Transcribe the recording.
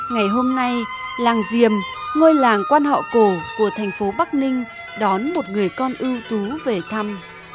ngày hôm nay làng diềm ngôi làng quan họ cổ của thành phố bắc ninh đón một người con ưu tú về thăm